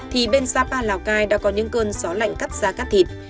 thì bên sapa lào cai đã có những cơn gió lạnh cắt ra cát thịt